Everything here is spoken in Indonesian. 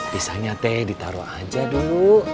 pisangnya teh ditaruh aja dulu